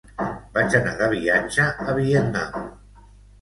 Vaig anar de viatge a Vietnam.